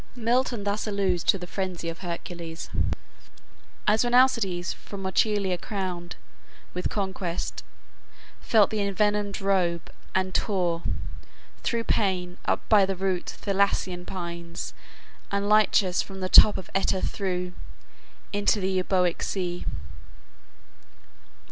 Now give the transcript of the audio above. Milton thus alludes to the frenzy of Hercules: "As when Alcides, from Oechalia crowned With conquest, felt the envenomed robe, and tore, Through pain, up by the roots Thessalian pines And Lichas from the top of Oeta threw Into the Euboic Sea."